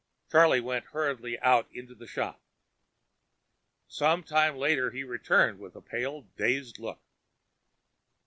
Charlie went hurriedly out into the shop. Some time later he returned with a pale dazed look.